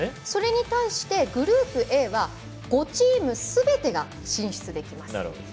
それに対して、グループＡは５チームすべてが進出できます。